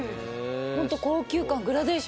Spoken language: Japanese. ホント高級感。